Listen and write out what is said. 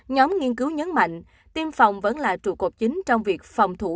nhóm nghiên cứu nhấn mạnh tiêm phòng vẫn là trụ cột chính trong việc phòng thủ